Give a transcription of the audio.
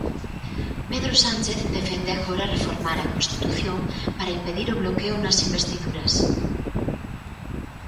Pedro Sánchez defende agora reformar a Constitución para impedir o bloqueo nas investiduras.